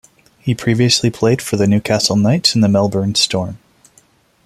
He previously played for the Newcastle Knights and the Melbourne Storm.